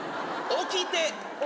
起きて。